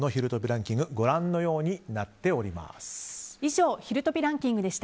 ランキングご覧のようになっております。